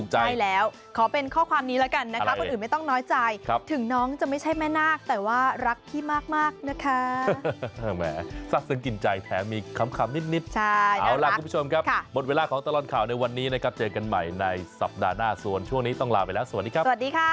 หวานจริงใช่ไหมไม่ได้ขมใช่ไหมครับ